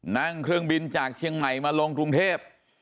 นั่งเครื่องบินจากเชียงใหม่มาลงกรุงเทพ